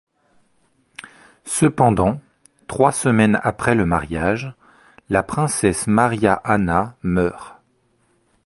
Cependant, trois semaines après le mariage, la princesse Maria Anna meurt.